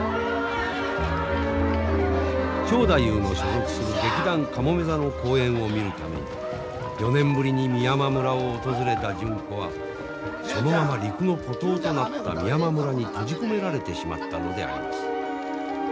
正太夫の所属する劇団かもめ座の公演を見るために４年ぶりに美山村を訪れた純子はそのまま陸の孤島となった美山村に閉じ込められてしまったのであります。